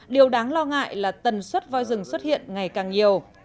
điều đáng lo ngại là tần suất voi rừng xuất hiện ngày càng nhiều